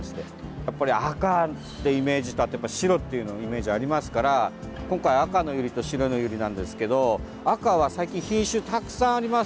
やっぱり赤というイメージと白というイメージがありますから今回、赤のユリと白のユリなんですけど赤は、最近品種たくさんあります。